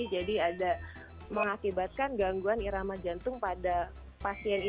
jadi ada mengakibatkan gangguan irama jantung pada pasien itu sendiri